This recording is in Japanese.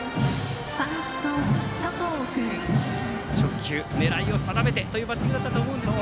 初球、狙いを定めてというバッティングだったと思うんですが。